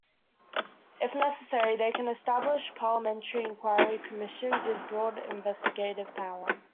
If necessary, they can establish parliamentary enquiry commissions with broad investigative power.